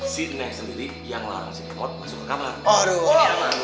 si nek sendiri yang larang